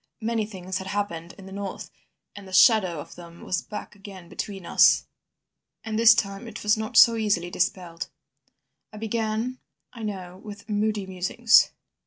Many things had happened in the north, and the shadow of them was back again between us, and this time it was not so easily dispelled. I began I know with moody musings.